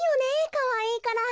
かわいいから。